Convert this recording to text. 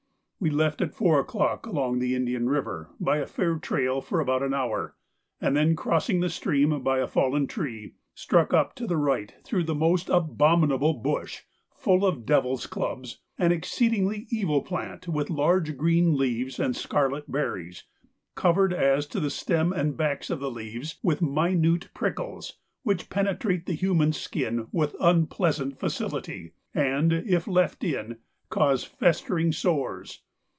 We left at four o'clock along the Indian River by a fair trail for about an hour, and then, crossing the stream by a fallen tree, struck up to the right through the most abominable bush, full of devil's clubs, an exceedingly evil plant with large green leaves and scarlet berries, covered as to the stem and the backs of the leaves with minute prickles which penetrate the human skin with unpleasant facility, and, if left in, cause festering sores.